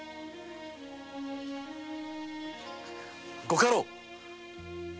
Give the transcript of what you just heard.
ご家老！